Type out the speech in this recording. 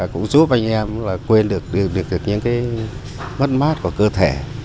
cũng giúp anh em quên được những cái mất mát của cơ thể